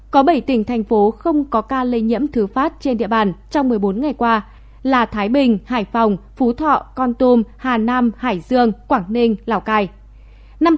có bảy tỉnh thành phố không có ca lây nhiễm thứ phát trên địa bàn trong một mươi bốn ngày qua là thái bình hải phòng phú thọ con tum hà nam hải dương quảng ninh lào cai